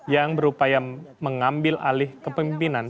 yang berupaya mengambil alih kepemimpinan